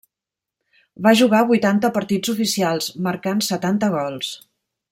Va jugar vuitanta partits oficials, marcant setanta gols.